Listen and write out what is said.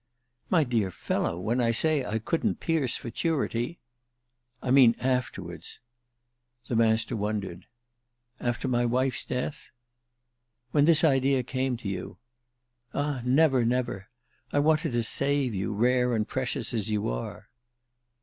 "My dear fellow, when I say I couldn't pierce futurity—!" "I mean afterwards." The Master wondered. "After my wife's death?" "When this idea came to you." "Ah never, never! I wanted to save you, rare and precious as you are."